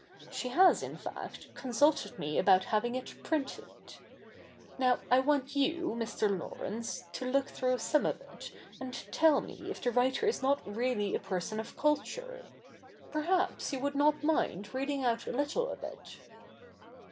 She has, in fact, consulted me about having it printed. Now I want you, Mr. Laurence, to look through some of it, and tell me if the writer is not really a person of culture. Perhaps you would not mind reading out a little of it.'